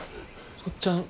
おっちゃん